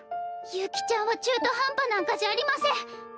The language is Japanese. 悠希ちゃんは中途半端なんかじゃありません！